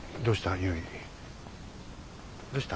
どうした？